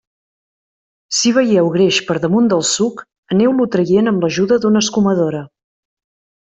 Si veieu greix per damunt del suc, aneu-lo traient amb l'ajuda d'una escumadora.